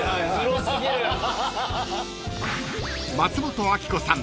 ［松本明子さん］